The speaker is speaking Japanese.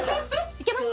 いけます？